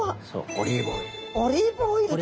オリーブオイルで。